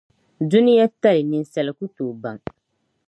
Duniatali ninsal’ ku tooi baŋ.